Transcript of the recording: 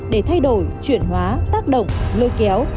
để thay đổi chuyển hóa tác động lôi kéo